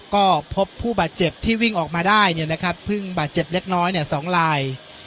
ก็พบผู้บาดเจ็บที่วิ่งออกมาได้เนี่ยนะครับพึ่งบาดเจ็บเล็กน้อยเนี่ยสองลาย